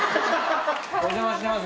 お邪魔してます。